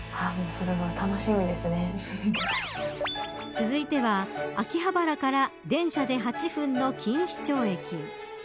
続いては、秋葉原から電車で８分の錦糸町駅。